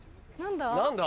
何だ？